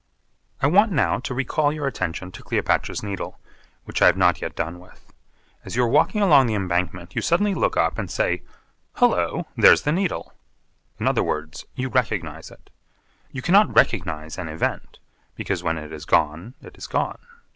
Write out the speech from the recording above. I want now to recall your attention to Cleopatra's Needle, which I have not yet done with. As you are walking along the Embankment you suddenly look up and say, 'Hullo, there's the Needle.' In other words, you recognise it. You cannot recognise an event; because when it is gone, it is gone.